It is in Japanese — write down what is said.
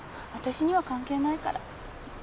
私には関係ないから。